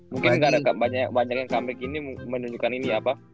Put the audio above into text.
mungkin karena banyak yang comeback ini menunjukkan ini apa